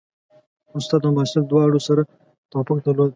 استاد او محصل دواړو سره توافق درلود.